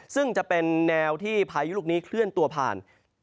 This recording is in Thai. ซึ่งจะเป็นแนวที่พายุลูกนี้เคลื่อนตัวผ่าน